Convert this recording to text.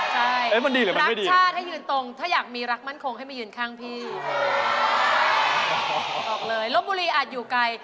ใช่รักชาติให้ยืนตรงถ้าอยากมีรักมั่นคงให้มายืนข้างพี่บอกเลยลบบุรีอาจอยู่ไกล